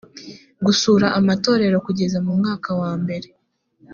gusura amatorero kugeza mu mwaka wambere